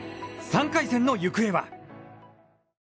３回戦の行方は？